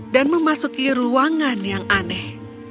memasuki ruangan yang aneh